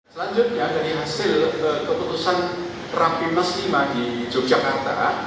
selanjutnya dari hasil keputusan raffi meskima di yogyakarta